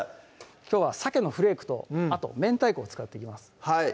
きょうはさけのフレークとあと明太子を使っていきます